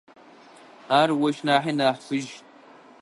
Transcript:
Ар ощ нахьи нахь фыжь.